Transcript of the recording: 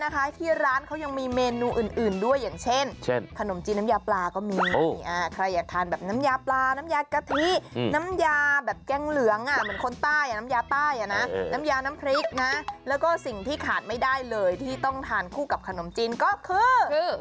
ใครอยากทานแบบน้ำยาปลาน้ำยากะทิน้ำยาแบบแจ้งเหลืองอ่ะเหมือนคนใต้อ่ะน้ำยาใต้อ่ะนะน้ำยาน้ำพริกนะแล้วก็สิ่งที่ขาดไม่ได้เลยที่ต้องทานคู่กับขนมจีนก็คือ